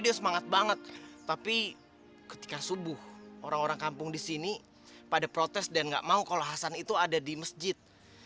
dia semangat banget tapi ketika subuh orang orang kampung di sini pada protes dan nggak mau kalau hasan itu ada di masjid